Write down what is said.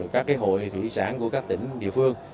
các hội thủy sản của các tỉnh địa phương